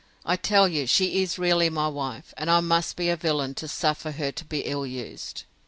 I tell you she is really my wife; and I must be a villain to suffer her to be ill used.